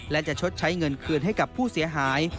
และจะชดใช้เงินคืนให้กับผู้เสียหาย